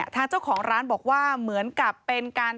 ทางเจ้าของร้านบอกว่าเหมือนกับเป็นการ